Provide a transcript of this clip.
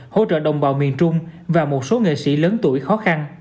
hỗ trợ đồng bào miền trung và một số nghệ sĩ lớn tuổi khó khăn